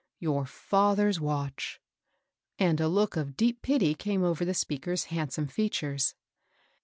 Your father's watch 1 " and a look of deep pity came over the speaker's handsome features.